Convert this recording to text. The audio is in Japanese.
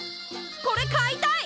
これ買いたい！